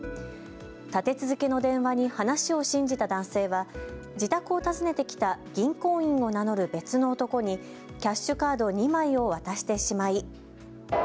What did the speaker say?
立て続けの電話に話を信じた男性は自宅を訪ねてきた銀行員を名乗る別の男にキャッシュカード２枚を渡してしまい。